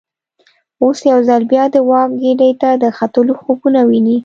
اوس یو ځل بیا د واک ګدۍ ته د ختلو خوبونه ویني.